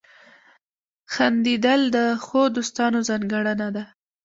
• خندېدل د ښو دوستانو ځانګړنه ده.